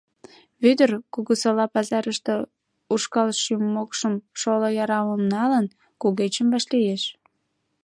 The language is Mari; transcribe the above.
Вӧдыр, Кугусола пазарыште ушкал шӱм-мокшым, шоло ярымым налын, кугечым вашлиеш.